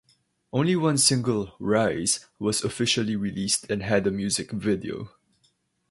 Only one single, "Rise", was officially released and had a music video.